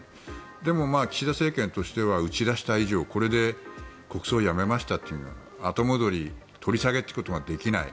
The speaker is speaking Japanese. でも、岸田政権としては打ち出した以上これで国葬やめましたというのでは後戻り、取り下げということができない。